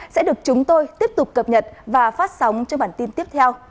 sẽ được chúng tôi tiếp tục cập nhật và phát sóng trên bản tin tiếp theo